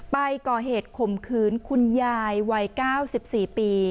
ไปก่อเหตุข่มขืนคุณยายวัย๙๔ปี